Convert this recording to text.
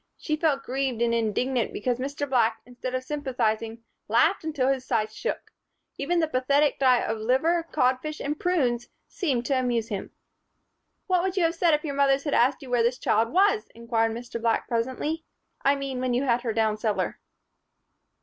She felt grieved and indignant because Mr. Black, instead of sympathizing, laughed until his sides shook. Even the pathetic diet of liver, codfish and prunes seemed to amuse him. "What would you have said if your mothers had asked you where this child was?" inquired Mr. Black presently. "I mean, when you had her down cellar?"